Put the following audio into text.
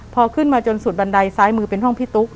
พอขึ้นมาจนสุดบันไดซ้ายมือเป็นห้องพี่ตุ๊ก